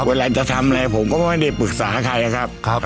เวลาจะทำอะไรผมก็ไม่ได้ปรึกษาใครนะครับ